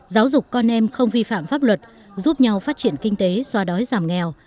giáo dục con em không vi phạm pháp luật giúp nhau phát triển kinh tế xoa đói giảm nghèo